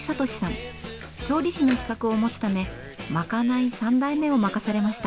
調理師の資格を持つためまかない３代目を任されました。